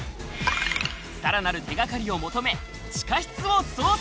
さらなる手がかりを求め、地下室を捜査。